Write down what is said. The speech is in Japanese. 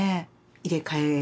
入れ替えが。